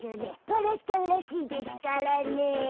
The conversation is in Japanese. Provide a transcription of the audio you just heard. わらっちゃうらしいでしゅからね。